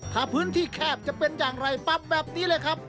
ถ้าพื้นที่แคบจะเป็นอย่างไรปรับแบบนี้เลยครับ